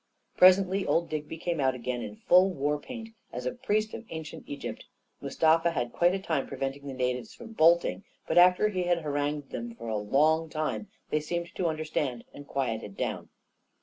Presently old Digby came out again in full war paint as a priest of ancient Egypt. Mustafa had quite a time preventing the natives from bolting; but after he had harangued them for a long time, 150 A KING IN BABYLON they seemed to understand and quieted down.